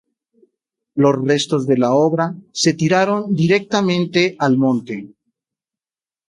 Los restos de la obra se tiraron directamente al monte.